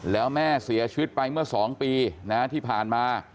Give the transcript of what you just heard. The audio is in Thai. แล้วแม่เสียชีวิตไปเมื่อ๒ปีที่ผ่านมา